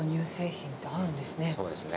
そうですね。